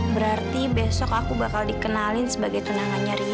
berarti besok aku bakal dikenalin sebagai tunangannya riza